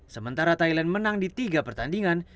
sementara thailand menang di tiga pertandingan